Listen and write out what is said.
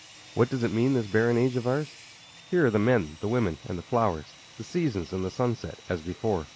What does it mean, this barren age of ours? Here are the men, the women, and the flowers, The seasons, and the sunset, as before.